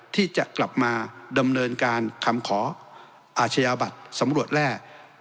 ที่จะกลับมาดำเนินการคำขออาชญาบัตรสำรวจแร่